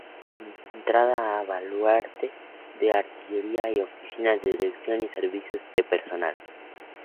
Entrada al Baluarte de Artillería y Oficinas de dirección y servicios de personal.